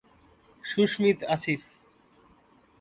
তিনি ছিলেন সেখানকার আরব বিদ্রোহের মস্তিষ্ক।